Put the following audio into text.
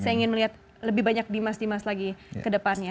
saya ingin melihat lebih banyak dimas dimas lagi ke depannya